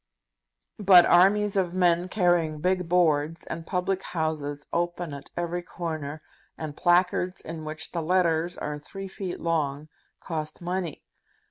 But armies of men carrying big boards, and public houses open at every corner, and placards in which the letters are three feet long, cost money.